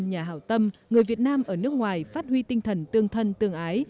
nhà hào tâm người việt nam ở nước ngoài phát huy tinh thần tương thân tương ái